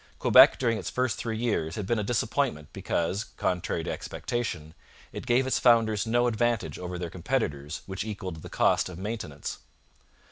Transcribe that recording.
Quebec during its first three years had been a disappointment because, contrary to expectation, it gave its founders no advantage over their competitors which equalled the cost of maintenance.